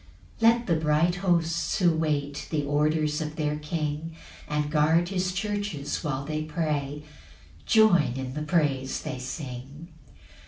3 Let the bright hosts who wait The orders of their King, And guard his churches when they pray, Join in the praise they sing.